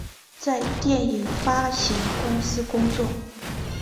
在电影发行公司工作。